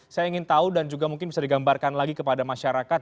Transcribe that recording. saya ingin tahu dan juga mungkin bisa digambarkan lagi kepada masyarakat